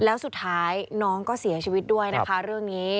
แล้วสุดท้ายน้องก็เสียชีวิตด้วยนะคะเรื่องนี้